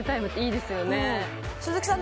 鈴木さん